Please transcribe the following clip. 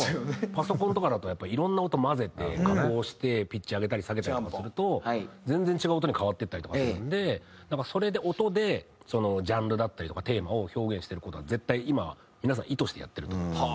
パソコンとかだとやっぱりいろんな音混ぜて加工してピッチ上げたり下げたりとかすると全然違う音に変わっていったりとかするんで音でジャンルだったりとかテーマを表現してる事は絶対今は皆さん意図してやってると思います。